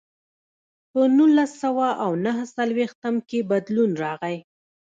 په نولس سوه او نهه څلوېښتم کې بدلون راغی.